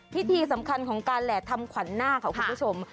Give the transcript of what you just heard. ที่สำคัญของการแหล่ทำขวัญหน้าค่ะคุณผู้ชม